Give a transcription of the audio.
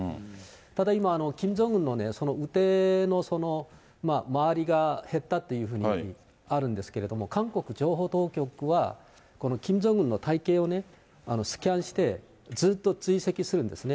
ただ今、キム・ジョンウンの腕の周りが減ったというふうにあるんですけれども、韓国情報当局は、このキム・ジョンウンの体形をね、スキャンして、ずっと追跡するんですね。